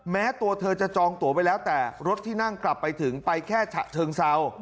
แม้ตัวเธอจะจองตัวไปแล้วแต่รถที่นั่งกลับไปถึงไปแค่ฉะเชิงเซา